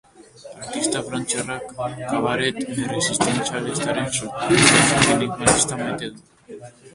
Artista frantziarrak kabaret esistentzialistaren sotiltasun minimalista maite du.